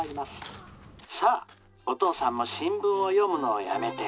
・「さあお父さんも新聞を読むのをやめて」。